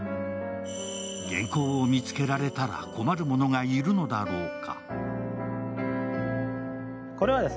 原稿を見つけられたら困る者がいるのだろうか。